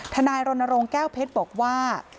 นายรณรงค์แก้วเพชรบอกว่า